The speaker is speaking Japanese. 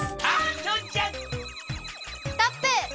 ストップ！